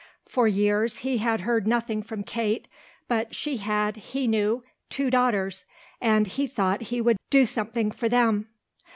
For years he had heard nothing from Kate, but she had, he knew, two daughters, and he thought he would do something for them.